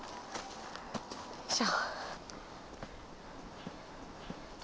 よいしょ。